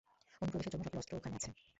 অনুপ্রবেশের জন্য সকল অস্ত্র ওখানে আছে।